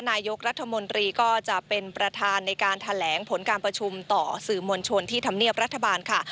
นายกรัฐมนตรีก็จะเป็นประธานในการแถลงผลการประชุมต่อสื่อมวลชนที่ธรรมเนียบรัฐบาลค่ะ